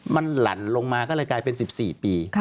มันหลั่นลงมาก็เลยกลายเป็น๑๔ปี